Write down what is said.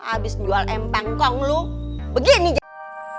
abis jual m pengkong lu begini jatuh